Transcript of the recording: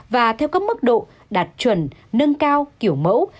và theo các mức độ đạt chuẩn nâng cao kiểu mẫu